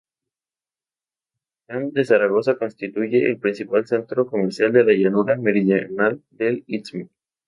Juchitán de Zaragoza constituye el principal centro comercial de la llanura meridional del istmo.